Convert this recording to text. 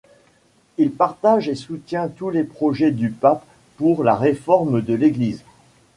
Il partage et soutient tous les projets du pape pour la réforme de l'Église.